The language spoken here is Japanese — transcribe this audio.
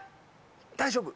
大丈夫！